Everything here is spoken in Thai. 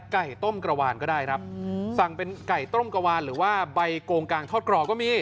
ไก่ต้มกระวานก็ได้ครับสั่งเป็นไก่ต้มกระวานหรือว่าใบโกงกางทอดกรอบก็มี